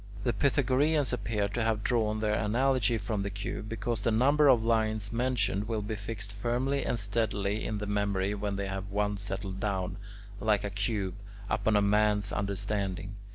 The Pythagoreans appear to have drawn their analogy from the cube, because the number of lines mentioned will be fixed firmly and steadily in the memory when they have once settled down, like a cube, upon a man's understanding.